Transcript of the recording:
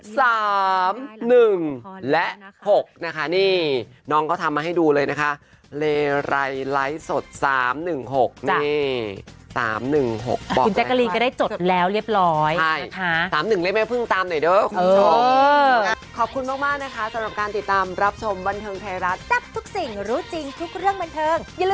ซึ่งแน่นอนเหล่นที่ได้ก็คือ